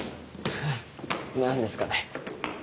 ヘヘ何ですかね？